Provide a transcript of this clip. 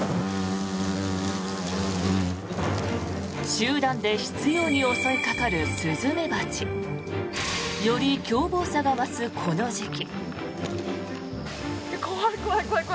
集団で執ように襲いかかるスズメバチ。より凶暴さが増すこの時期。